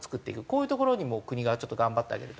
こういうところにも国がちょっと頑張ってあげると。